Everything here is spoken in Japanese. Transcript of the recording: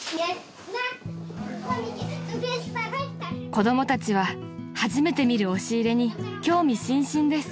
［子供たちは初めて見る押し入れに興味津々です］